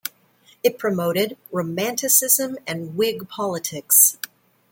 It promoted Romanticism and Whig politics.